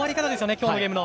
今日のゲームの。